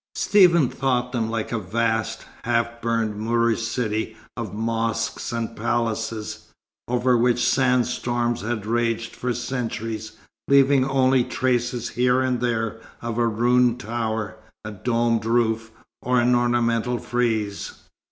Stephen thought them like a vast, half burned Moorish city of mosques and palaces, over which sand storms had raged for centuries, leaving only traces here and there of a ruined tower, a domed roof, or an ornamental frieze.